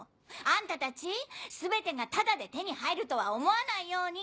あんたたち全てがタダで手に入るとは思わないように！